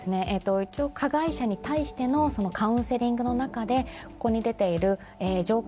加害者に対してのカウンセリングの中で、ここに出ている条件